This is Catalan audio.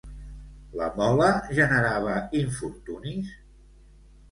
La Mola generava infortunis?